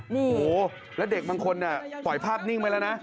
โอ้โหแล้วเด็กบางคนปล่อยภาพนิ่งไปแล้วนะ